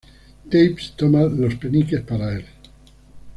Dawes toma los peniques para el.